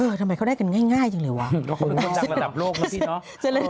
ทำไมเขาได้กันง่ายจังเลยวะเขาเป็นคนดังระดับโลกนะพี่เนาะ